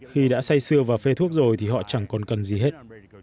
khi đã say xưa và phê thuốc rồi thì họ chẳng còn cần gì hết